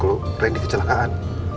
kalo randy kecelakaan